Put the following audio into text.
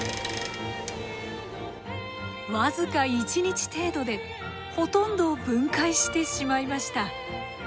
僅か１日程度でほとんどを分解してしまいました。